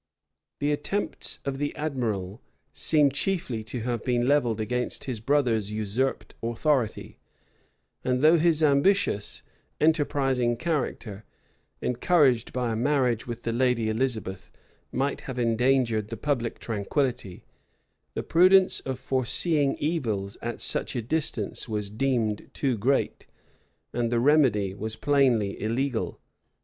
The attempts of the admiral seem chiefly to have been levelled against his brother's usurped authority; and though his ambitious, enterprising character, encouraged by a marriage with the lady Elizabeth, might have endangered the public tranquillity, the prudence of foreseeing evils at such a distance was deemed too great, and the remedy was plainly illegal.